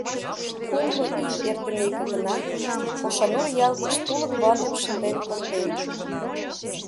Кумло ий эртымеке гына, Кошанур ял гыч тулык ватым шынден конден.